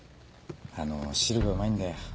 あの汁がうまいんだよ。